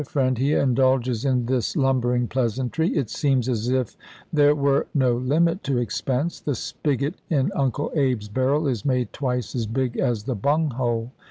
friend, he indulges in this lumbering pleasantry :" It seems as if there were no limit to expense. .. The spigot in Uncle Abe's barrel is made twice as big as the bung hole.